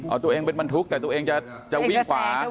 เอาตัวเองเป็นบรรทุกแต่ตัวเองจะวิ่งฝา